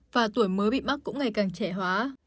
và tuổi mới bị mắc cũng ngày càng trẻ hóa